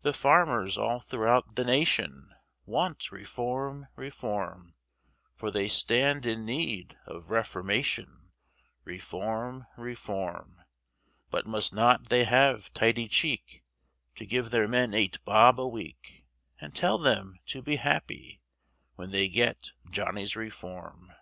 The farmers all throughout the nation, Want Reform, Reform, For they stand in need of reformation, Reform, Reform; But must not they have tidy cheek, To give their men eight bob a week, And tell them to be happy When they get Johnny's Reform.